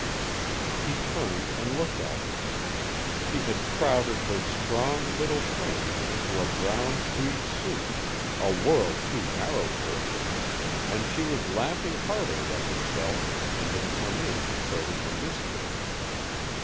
He turned and looked at her. She had crowded her strong, lithe frame into a brown tweed suit, a world too narrow for her, and she was laughing heartily at herself and had come in to show him the misfit.